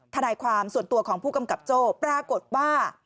ทนายความส่วนตัวของผู้กำกับโจ้ปรากฏว่า